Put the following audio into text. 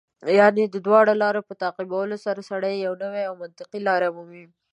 یعنې د دواړو لارو په تعقیبولو سره سړی یوه نوې او منطقي لار مومي.